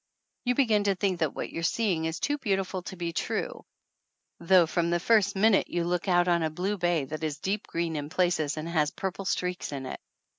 You begin to think that what you're seeing is too beautiful to be true, though, from the first minute you look out on a blue bay that is deep green in places, and has purple streaks in it.